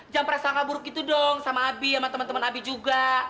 jangan perasaan kabur gitu dong sama abi sama temen temen abi juga